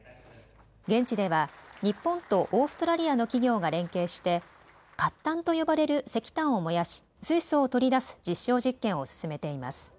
現地では日本とオーストラリアの企業が連携して褐炭と呼ばれる石炭を燃やし水素を取り出す実証実験を進めています。